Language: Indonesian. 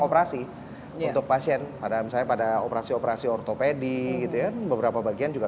operasi untuk pasien pada misalnya pada operasi operasi ortopedi gitu ya beberapa bagian juga